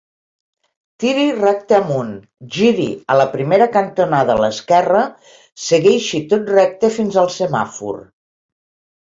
Tiri recte amunt, giri a la primera cantonada a l'esquerra, segueixi tot recte fins al semàfor.